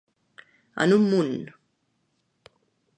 En un munt.